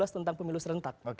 tentang pemilu serentak